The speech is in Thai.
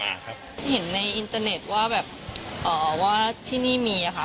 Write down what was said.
หานะครับเห็นในอินเทอร์เนตว่าแบบเอ่อที่นี่มีอะค่ะ